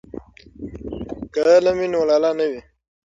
که علم وي نو لاله نه وي.